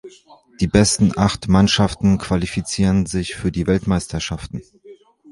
Die besten acht Mannschaften qualifizieren sich für die Weltmeisterschaften.